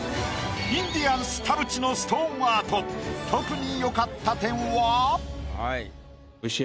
インディアンス田渕のストーンアート特に。